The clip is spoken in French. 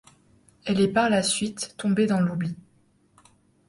Elle est par la suite tombée dans l'oubli.